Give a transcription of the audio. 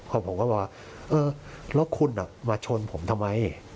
ผมก็บอกว่าเออแล้วคุณมาชนผมทำไม